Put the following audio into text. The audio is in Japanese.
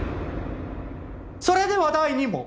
それでは第２問。